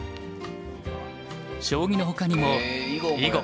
将棋の他にも囲碁。